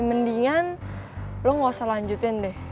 mendingan lo gak usah lanjutin deh